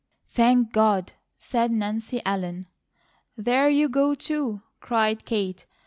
"Thank God!" said Nancy Ellen. "There you go, too!" cried Kate.